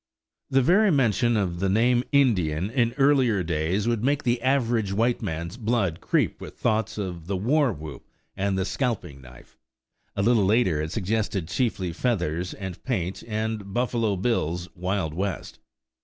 The very mention of the name "Indian" in earlier days would make the average white man's blood creep with thoughts of the war whoop and the scalping knife. A little later it suggested chiefly feathers and paint and "Buffalo Bill's Wild West."